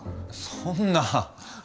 そんなあ。